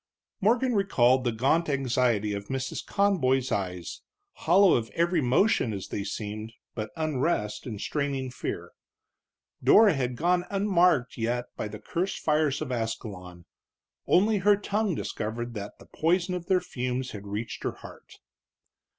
Morgan recalled the gaunt anxiety of Mrs. Conboy's eyes, hollow of every emotion, as they seemed, but unrest and straining fear. Dora had gone unmarked yet by the cursed fires of Ascalon; only her tongue discovered that the poison of their fumes had reached her heart.